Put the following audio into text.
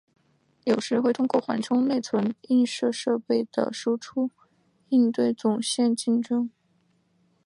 有时会通过缓冲内存映射设备的输出应对总线竞争。